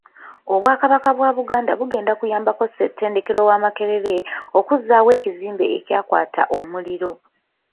Obwakabaka bwa Buganda bugenda kuyambako Ssettendekero wa Makerere okuzzaawo ekizimbe ekyakwata omuliro.